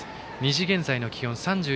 ２時現在の気温、３１．４度。